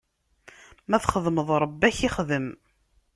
Ma txedmeḍ, Ṛebbi ad ak-ixdem.